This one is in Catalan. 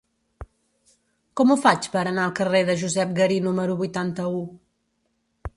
Com ho faig per anar al carrer de Josep Garí número vuitanta-u?